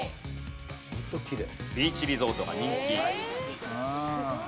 ビーチリゾートが人気。